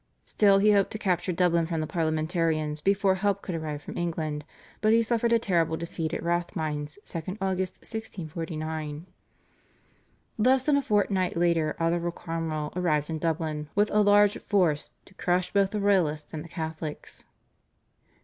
Still he hoped to capture Dublin from the Parliamentarians before help could arrive from England, but he suffered a terrible defeat at Rathmines (2 Aug. 1649). Less than a fortnight later Oliver Cromwell arrived in Dublin with a large force to crush both the Royalists and the Catholics.